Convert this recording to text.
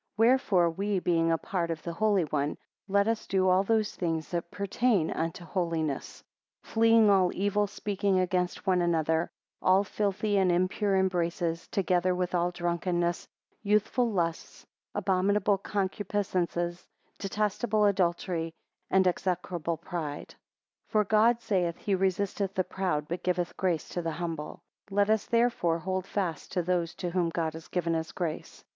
WHEREFORE we being apart of the Holy One: let us do all those things that pertain unto holiness: 2 Fleeing all evil speaking against one another; all filthy and impure embraces, together with all drunkenness, youthful lusts, abominable concupiscences, detestable adultery, and execrable pride. 3 For God saith, he resisteth the proud, but giveth grace to the humble. 4 Let us therefore hold fast to those to whom God has given his grace.